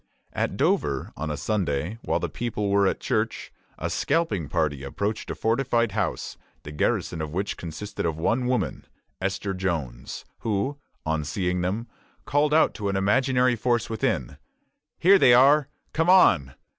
At Dover, on a Sunday, while the people were at church, a scalping party approached a fortified house, the garrison of which consisted of one woman, Esther Jones, who, on seeing them, called out to an imaginary force within, "Here they are! come on!